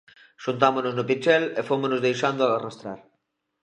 Xuntámonos no Pichel e fómonos deixando arrastrar.